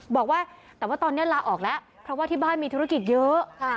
บอกว่าแต่ว่าตอนนี้ลาออกแล้วเพราะว่าที่บ้านมีธุรกิจเยอะ